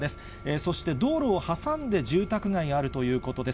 そして道路を挟んで住宅があるということです。